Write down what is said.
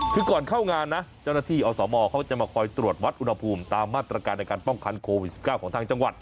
คือก่อนเข้างานนะเจ้าหน้าที่อสมเขาจะมาคอยตรวจวัดอุณหภูมิตามมาตรการในการป้องกันโควิด๑๙ของทางจังหวัด